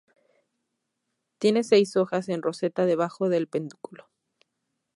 Tiene seis hojas en roseta debajo del pedúnculo.